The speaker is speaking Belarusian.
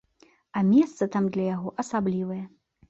А месца там для яго асаблівае.